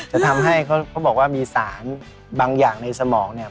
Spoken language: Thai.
จะทำให้เขาบอกว่ามีสารบางอย่างในสมองเนี่ย